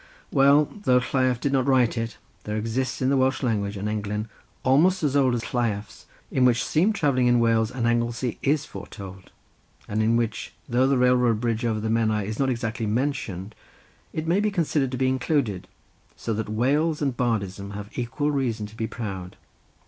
Well, though Lleiaf did not write it, there exists in the Welsh language an englyn, almost as old as Lleiaf's time, in which steam travelling in Wales and Anglesey is foretold, and in which, though the railroad bridge over the Menai is not exactly mentioned, it may be considered to be included; so that Wales and bardism have equal reason to be proud.